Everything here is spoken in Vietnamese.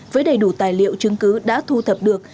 với đầy đủ tài liệu chứng cứ đã thu thập được